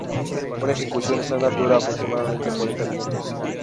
Una ejecución estándar dura aproximadamente cuarenta minutos.